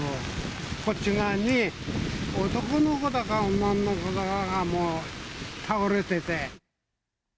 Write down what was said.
こっち側に、男の子だか女の子だかが、もう倒れてて。